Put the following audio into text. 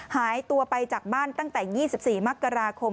หายตัวไปจากบ้านตั้งแต่๒๔มกราคม